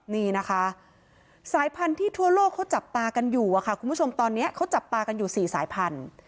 นี่นะคะสายพันธุ์ที่ทั่วโลกเขาจับตากันอยู่ค่ะคุณผู้ชมตอนนี้เขาจับตากันอยู่๔สายพันธุ